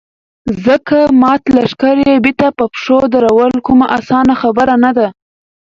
ځکه مات لښکر يې بېرته په پښو درول کومه اسانه خبره نه ده.